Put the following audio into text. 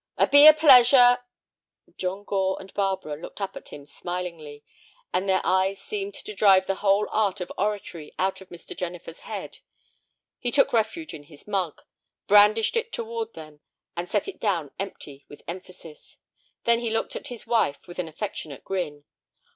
"Ut be a pleasure—" John Gore and Barbara looked up at him smilingly, and their eyes seemed to drive the whole art of oratory out of Mr. Jennifer's head. He took refuge in his mug, brandished it toward them, and set it down empty, with emphasis. Then he looked at his wife with an affectionate grin.